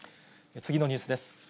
次のニュースです。